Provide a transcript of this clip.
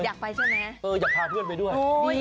อยากพาเพื่อนไปด้วย